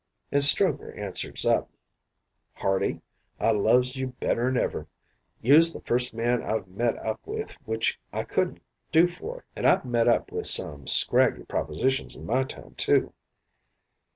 "An' Strokher answers up: "'Hardie, I loves you better'n ever. You'se the first man I've met up with which I couldn't do for an' I've met up with some scraggy propositions in my time, too.'